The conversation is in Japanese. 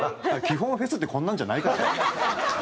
基本はフェスってこんなんじゃないからね。